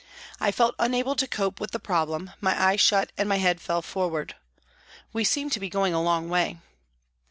I felt unable to cope with the problem, my eyes shut and my head fell forward. We seemed to be going a long way.